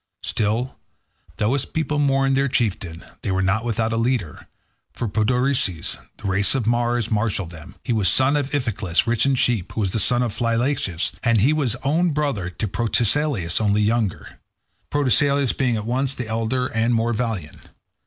Still, though his people mourned their chieftain, they were not without a leader, for Podarces, of the race of Mars, marshalled them; he was son of Iphiclus, rich in sheep, who was the son of Phylacus, and he was own brother to Protesilaus, only younger, Protesilaus being at once the elder and the more valiant.